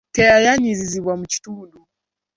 Teyayanirizibwa mu kitundu.